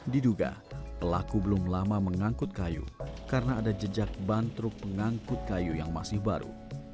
diduga pelaku belum lama mengangkut kayu karena ada jejak ban truk pengangkut kayu yang masih baru